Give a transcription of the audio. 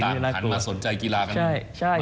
ทุกคนต่างขันมาสนใจกีฬากันมากขึ้น